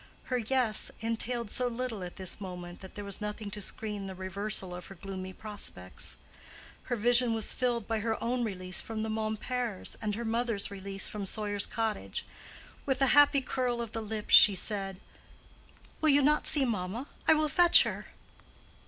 Her "Yes" entailed so little at this moment that there was nothing to screen the reversal of her gloomy prospects; her vision was filled by her own release from the Momperts, and her mother's release from Sawyer's Cottage. With a happy curl of the lips, she said, "Will you not see mamma? I will fetch her."